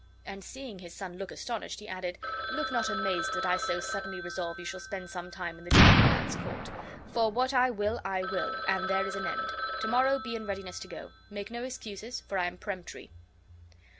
And seeing his son look astonished, he added: "Look not amazed, that I so suddenly resolve you shall spend some time in the Duke of Milan's court; for what I will I will, and there is an end. Tomorrow be in readiness to go. Make no excuses, for I am peremptory."